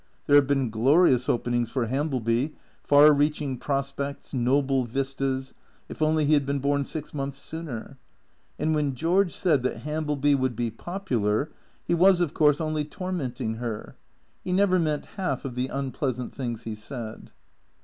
There had been glorious openings for Hambleby, far reaching prospects, noble vistas, if only he had been born six months sooner. And when George said that Hambleby would be popular, he was, of course, only tormenting her. He never meant half of the unpleasant things he said.